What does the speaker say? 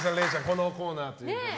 このコーナーということで。